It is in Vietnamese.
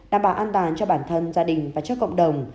đảm bảo an toàn cho bản thân gia đình và cho cộng đồng